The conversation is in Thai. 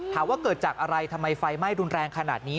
ว่าเกิดจากอะไรทำไมไฟไหม้รุนแรงขนาดนี้